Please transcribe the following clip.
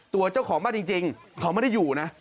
ตัวเจ้าของบ้านจริงเขาไม่ได้อยู่นะ